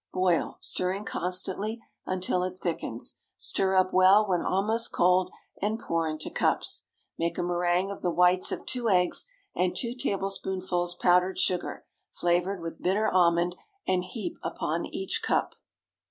Boil, stirring constantly until it thickens. Stir up well when almost cold and pour into cups. Make a méringue of the whites of two eggs and two tablespoonfuls powdered sugar, flavored with bitter almond, and heap upon each cup.